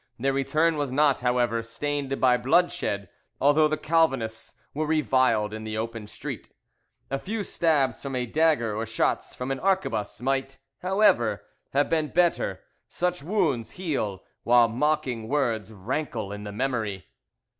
Their return was not, however; stained by bloodshed, although the Calvinists were reviled in the open street. A few stabs from a dagger or shots from an arquebus might, however, have been better; such wounds heal while mocking words rankle in the memory.